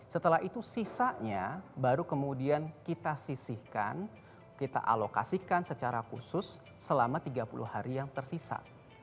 setelah itu sisanya baru kemudian kita sisihkan kita alokasikan secara khusus selama tiga puluh hari yang tersisa